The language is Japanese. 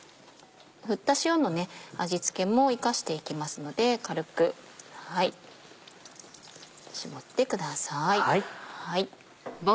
振った塩の味付けも生かしていきますので軽く絞ってください。